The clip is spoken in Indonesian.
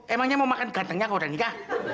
emangnya mau makan gantengnya kau dan nika